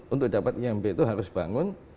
untuk dapat imb itu harus bangun